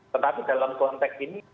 tetapi dalam konteks ini